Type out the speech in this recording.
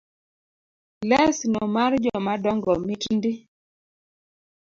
Lesno mar jomadongo mit ndi